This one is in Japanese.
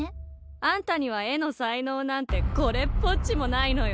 あんたには絵の才能なんてこれっぽっちもないのよ。